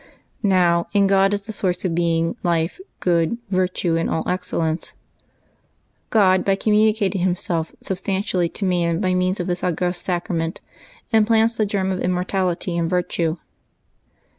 Now, in God is the source of being, life, good, virtue, and all excellence. God, by communicating Himself sub stantially to man by means of this august sacrament, implants the germ of immortality and virtue.